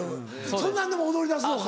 そんなんでも踊りだすのか？